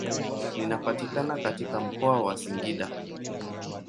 Linapatikana katika mkoa wa Singida.